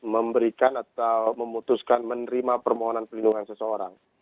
memberikan atau memutuskan menerima permohonan perlindungan seseorang